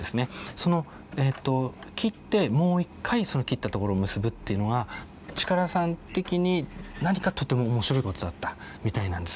その切ってもう一回その切ったところを結ぶっていうのが力さん的に何かとても面白いことだったみたいなんです。